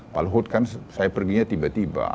pak luhut kan saya perginya tiba tiba